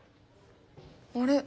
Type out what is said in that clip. あれ？